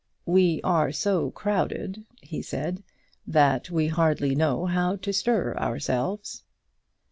"We are so crowded," he said, "that we hardly know how to stir ourselves."